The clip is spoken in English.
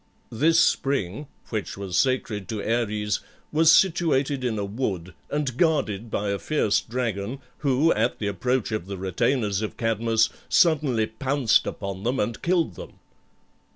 This spring, which was sacred to Ares, was situated in a wood, and guarded by a fierce dragon, who, at the approach of the retainers of Cadmus, suddenly pounced upon them and killed them.